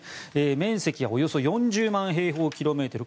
面積はおよそ４０万平方キロメートル。